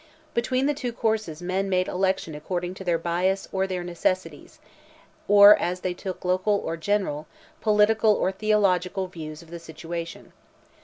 Between the two courses men made election according to their bias or their necessities, or as they took local or general, political or theological views of the situation.